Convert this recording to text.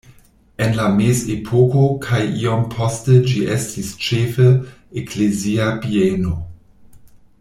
En la mezepoko kaj iom poste ĝi estis ĉefe eklezia bieno.